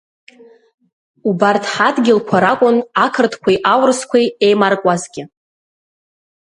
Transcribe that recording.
Убарҭ ҳадгьылқәа ракәын ақырҭқәеи аурысқәеи еимаркуазгьы.